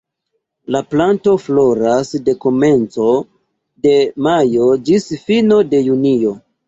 La planto floras de komenco de majo ĝis fino de junio.